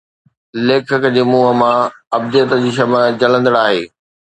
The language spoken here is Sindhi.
ليکڪ جي منهن مان ابديت جي شمع جلندڙ آهي